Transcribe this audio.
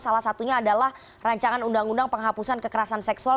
salah satunya adalah rancangan undang undang penghapusan kekerasan seksual